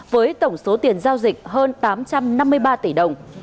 với tổng số tiền giao dịch hơn tám trăm năm mươi ba tỷ đồng